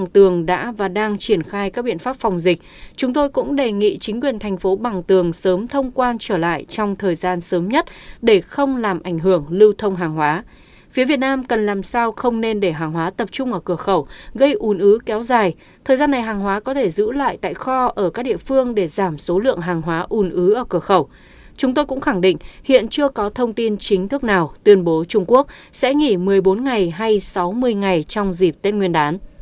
tuyên bố trung quốc sẽ nghỉ một mươi bốn ngày hay sáu mươi ngày trong dịp tết nguyên đán